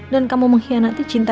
dan kamu mengkhianati cinta kita